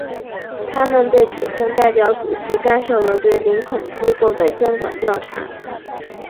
他们被指控代表主席干涉了对林肯机构的监管调查。